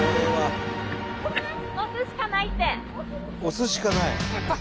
押すしかない？